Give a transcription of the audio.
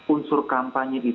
unsur kampanye itu antaranya